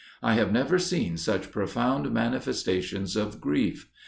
I have never seen such profound manifestations of grief.